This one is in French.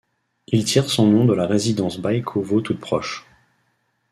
Il tire son nom de la résidence Baïkovo toute proche.